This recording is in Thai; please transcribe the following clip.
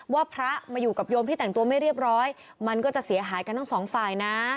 พระมาอยู่กับโยมที่แต่งตัวไม่เรียบร้อยมันก็จะเสียหายกันทั้งสองฝ่ายนะ